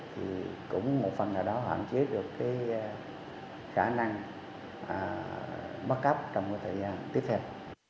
thì cũng một phần là đã hoạn chế được khả năng bắt cắp trong thời gian tiếp theo